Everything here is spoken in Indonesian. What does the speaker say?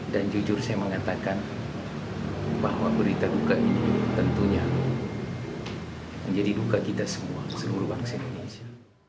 dan jujur saya mengatakan bahwa berita duka ini tentunya menjadi duka kita semua seluruh bangsa indonesia